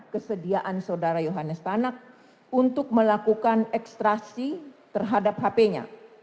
kesediaan saudara yohanes tanak untuk melakukan ekstrasi terhadap hp nya